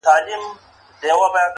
سوال کوم کله دي ژړلي گراني .